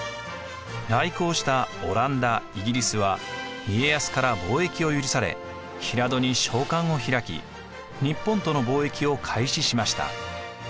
来航したオランダ・イギリスは家康から貿易を許され平戸に商館を開き日本との貿易を開始しました。